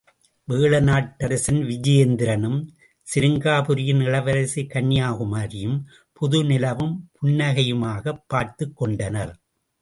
வேழநாட்டரசன் விஜயேந்திரனும் சிருங்காரபுரியின் இளவரசி கன்யாகுமரியும் புது நிலவும் புன்னகையுமாகப் பார்த்துக் கொண்டனர்!